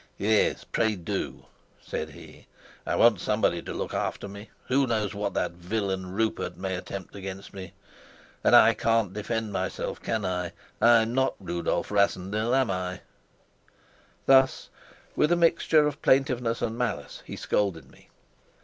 "Yes, pray do," said he. "I want somebody to look after me. Who knows what that villain Rupert may attempt against me? And I can't defend myself can I? I'm not Rudolf Rassendyll, am I?" Thus, with a mixture of plaintiveness and malice, he scolded me.